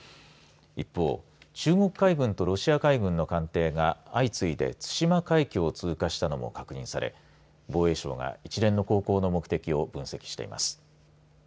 一方、中国海軍とロシア海軍の艦艇が相次いで対馬海峡を通過したのも確認され防衛省が一連の航行の目的を分析してます。